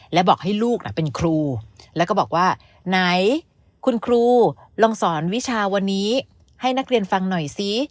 และบอกให้ลูกเป็นครูแล้วก็บอกว่าไหนคุณครูลองสอนวิชาวันนี้ให้นักเรียนฟังหน่อยซิ